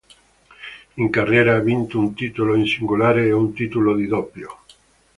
In carriera ha vinto un titolo in singolare e un titolo di doppio.